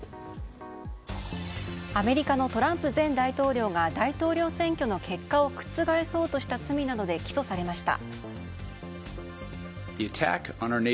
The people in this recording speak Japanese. アメリカのトランプ前大統領が大統領選挙の結果を覆そうとした罪などで起訴されました。